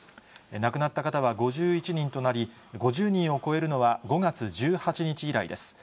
亡くなった方は５１人となり、５０人を超えるのは５月１８日以来です。